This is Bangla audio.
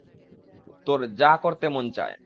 তোর যা করতে মন চায়।